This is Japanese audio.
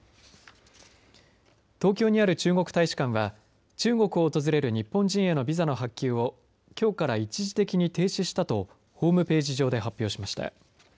東京にある中国大使館は中国を訪れる日本人へのビザの発給をきょうから一時的に停止したとホームページ上で発表しました。